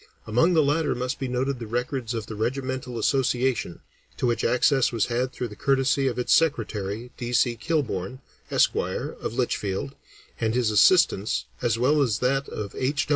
Among the latter must be noted the records of the Regimental Association, to which access was had through the courtesy of its secretary, D. C. Kilbourn, Esq., of Litchfield, and his assistance, as well as that of H.